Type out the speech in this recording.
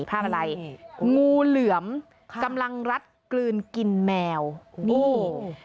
ภาพอะไรงูเหลือมค่ะกำลังรัดกลืนกินแมวนี่